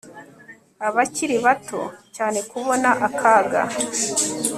abakiri bato cyane kubona akaga